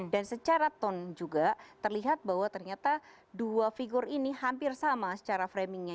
dan secara ton juga terlihat bahwa ternyata dua figur ini hampir sama secara framingnya